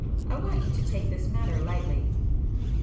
I want you to take this matter lightly."